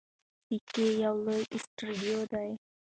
سایکي یو لوی اسټروېډ دی.